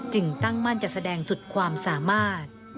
ตั้งมั่นจะแสดงสุดความสามารถ